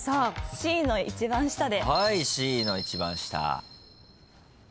Ｃの一番下で。